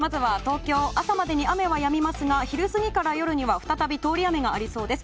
朝までに雨はやみますが昼過ぎから夜には再び通り雨がありそうです。